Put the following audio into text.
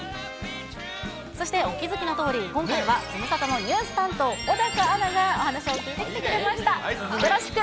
そして、お気付きのとおり、今回はズムサタのニュース担当、小高アナがお話を聞いてきてくれよろしく。